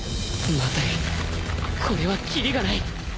まずいこれは切りがない